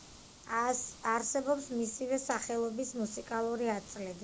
არსებობს მისივე სახელობის მუსიკალური ათწლედი.